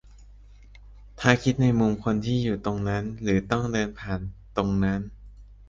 ถ้าคิดในมุมคนที่อยู่ตรงนั้นหรือต้องเดินผ่านตรงนั้น